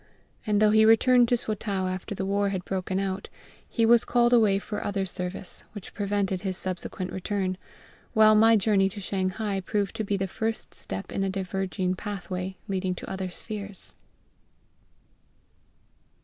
And though he returned to Swatow after the war had broken out, he was called away for other service, which prevented his subsequent return; while my journey to Shanghai proved to be the first step in a diverging pathway leading to other spheres.